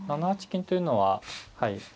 ７八金というのははい。